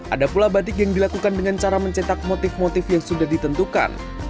ada pula batik yang dilakukan dengan cara mencetak motif motif yang sudah ditentukan